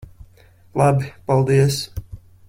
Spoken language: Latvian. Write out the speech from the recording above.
Labi. Paldies.